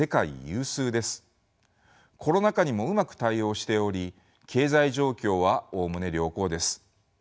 コロナ禍にもうまく対応しており経済状況はおおむね良好です。